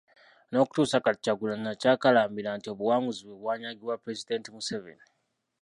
N’okutuusa kati Kyagulanyi akyakalambira nti obuwanguzi bwe bwanyagibwa Pulezidenti Museveni